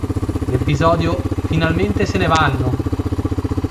L'episodio "Finalmente se ne vanno!